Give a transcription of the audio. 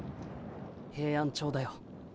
ヘイアンチョウだよ。